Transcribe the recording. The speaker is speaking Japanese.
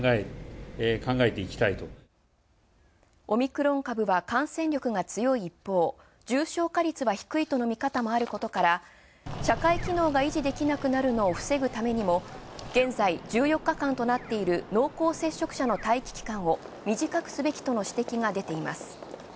オミクロン株は感染力が強い一方、重症化率は低いとの見方もあることから、社会機能が維持できなくなるのを防ぐためにも現在１４日間となっている濃厚接触者の待機期間を短くすべきとの指摘が出ています。